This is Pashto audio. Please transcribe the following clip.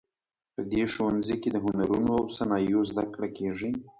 په دې ښوونځي کې د هنرونو او صنایعو زده کړه کیږي